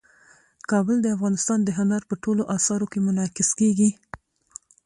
کابل د افغانستان د هنر په ټولو اثارو کې منعکس کېږي.